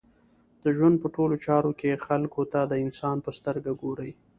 د ژوند په ټولو چارو کښي خلکو ته د انسان په سترګه ګورئ!